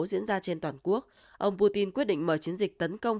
diễn ra trên toàn quốc ông putin quyết định mở chiến dịch tấn công